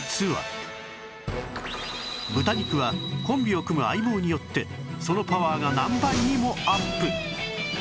豚肉はコンビを組む相棒によってそのパワーが何倍にもアップ